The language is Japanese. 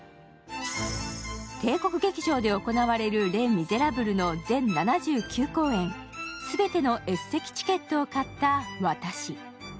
帝国劇場で行われる「レ・ミゼラブル」の全７９公演、全てのＳ席チケットを買った私。